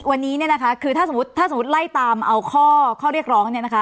วันนี้ถ้าสมมติไล่ตามเอาข้อเรียกร้อง